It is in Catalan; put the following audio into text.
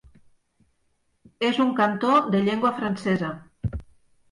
És un cantó de llengua francesa.